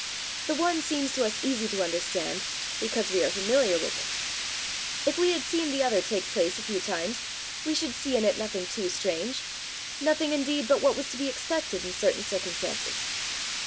The one seems to us easy to understand, because we are familiar with it; if we had seen the other take place a few times, we should see in it nothing too strange, nothing indeed but what was to be expected in certain circumstances."